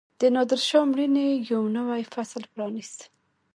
د نادرشاه مړینې یو نوی فصل پرانیست.